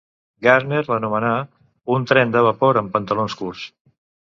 Gairdner l'anomenà 'un tren de vapor amb pantalons curts'.